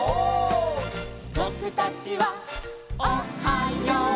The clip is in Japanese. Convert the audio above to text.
「ぼくたちは」